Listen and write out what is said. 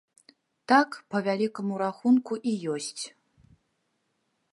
Так, па вялікаму рахунку, і ёсць.